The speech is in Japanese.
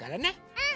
うん！